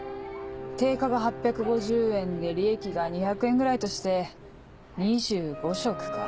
定価が８５０円で利益が２００円ぐらいとして２５食か。